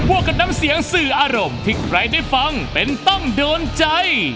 วกกับน้ำเสียงสื่ออารมณ์ที่ใครได้ฟังเป็นต้องโดนใจ